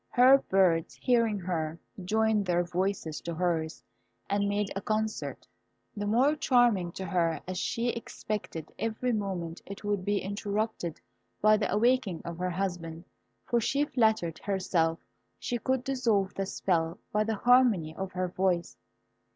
Her birds hearing her, joined their voices to hers, and made a concert, the more charming to her as she expected every moment it would be interrupted by the awakening of her husband, for she flattered herself she could dissolve the spell by the harmony of her voice.